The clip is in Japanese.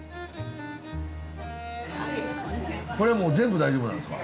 これはもう全部大丈夫なんですか？